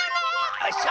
よいしょ！